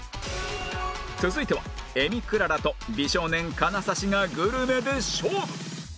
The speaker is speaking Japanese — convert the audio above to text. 続いては映美くららと美少年金指がグルメで勝負